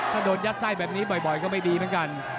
ถ้าโดนยัดไส้แบบนี้บ่อยก็ไม่ดีเหมือนกัน